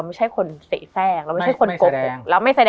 มันทำให้ชีวิตผู้มันไปไม่รอด